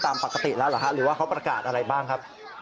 ตามปกติแล้วเหรอฮะหรือว่าเขาประกาศอะไรบ้างครับ